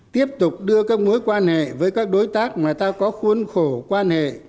tiếp tục đưa các mối quan hệ với các đối tác mà ta có khuôn khổ quan hệ